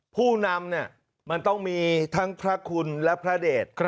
ผู้นำเนี่ยมันต้องมีทั้งพระคุณและพระเดช